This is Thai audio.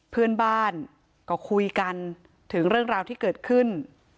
เพื่อนบ้านก็คุยกันถึงเรื่องราวที่เกิดขึ้น